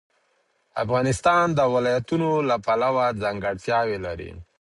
افغانستان د ولایتونو له پلوه ځانګړتیاوې لري.